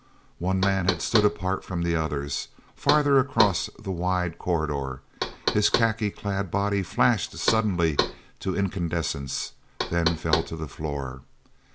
One man had stood apart from the others, farther across the wide corridor. His khaki clad body flashed suddenly to incandescence, then fell to the floor.